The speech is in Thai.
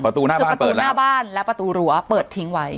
ประตูหน้าบ้านเปิดแล้วคือประตูหน้าบ้านและประตูหลัวเปิดทิ้งไว้